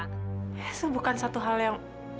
itu bukan satu hal yang